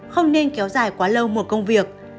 không nên kéo dài quá lâu một công việc